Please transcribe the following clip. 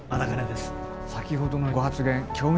先ほどのご発言興味